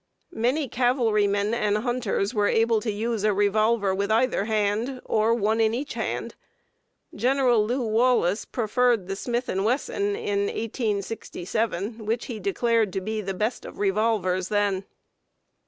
Many cavalrymen and hunters were able to use a revolver with either hand, or one in each hand. Gen. Lew. Wallace preferred the Smith and Wesson in 1867, which he declared to be "the best of revolvers" then.